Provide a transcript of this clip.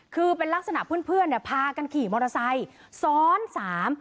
คือเป็นลักษณะเพื่อนพากันขี่มอเตอร์ไซค์ซ้อนสาม